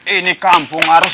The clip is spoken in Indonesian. ini kampung harus